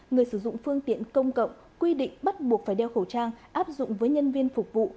người sử dụng phương tiện công cộng quy định bắt buộc phải đeo khẩu trang áp dụng với nhân viên phục vụ